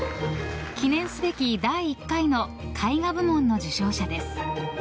記念すべき第１回の絵画部門の受賞者です。